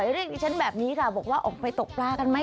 เรียกดิฉันแบบนี้ค่ะบอกว่าออกไปตกปลากันไหม